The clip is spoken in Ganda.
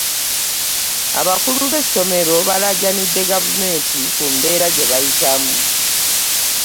Abakulu bamasomero balajanidde gavumenti ku mbeera gyebayitamu.